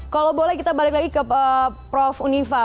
kalau boleh kita balik lagi ke prof unifa